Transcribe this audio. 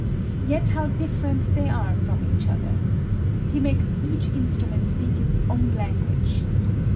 Yet how different they are from each other! He makes each instrument speak its own language.